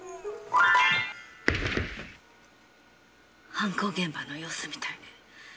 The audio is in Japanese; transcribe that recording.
犯行現場の様子みたいね。